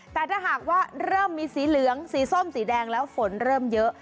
แต่ถ้าหากว่าเริ่มมีสีเหลืองสีส้มสีแดงแล้วฝนเริ่มเยอะ